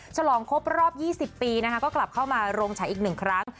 ฉลองครบรอบ๒๐ปีนะคะก็กลับเข้ามาโรงฉายอีก๑ครั้ง